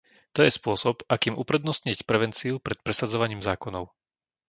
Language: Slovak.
To je spôsob, akým uprednostniť prevenciu pred presadzovaním zákonov.